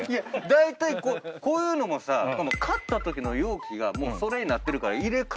だいたいこういうのもさ買ったときの容器がそれになってるから。